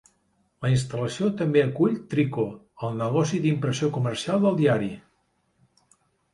La instal·lació també acull Trico, el negoci d'impressió comercial del diari.